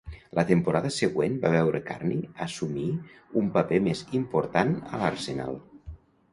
La temporada següent va veure Carney assumir un paper més important a l'arsenal.